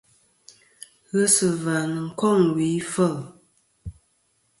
Ghesɨ̀và nɨn kôŋ wì ifêl.